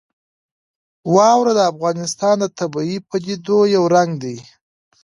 واوره د افغانستان د طبیعي پدیدو یو رنګ دی.